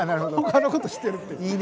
他のことしてるっていう。